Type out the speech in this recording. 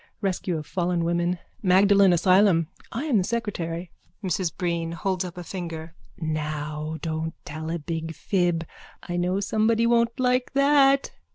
Rescue of fallen women. Magdalen asylum. I am the secretary... MRS BREEN: (Holds up a finger.) Now, don't tell a big fib! I know somebody won't like that.